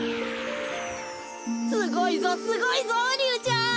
すごいぞすごいぞリュウちゃん！